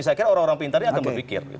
saya kira orang orang pintarnya akan berpikir